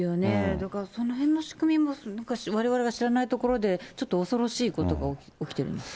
だからそのへんの仕組みも、われわれが知らないところで、ちょっと恐ろしいことが起きてますね。